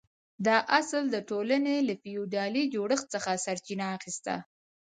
دا اصل د ټولنې له فیوډالي جوړښت څخه سرچینه اخیسته.